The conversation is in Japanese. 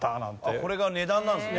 これが値段なんですね。